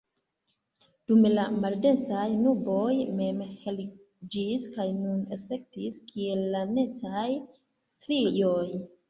Dume la maldensaj nuboj mem heliĝis kaj nun aspektis kiel lanecaj strioj.